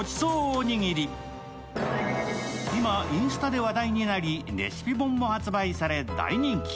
今、インスタで話題になりレシピ本も発売され大人気。